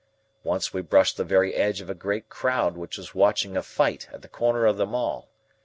Once we brushed the very edge of a great crowd which was watching a fight at the corner of the Mall.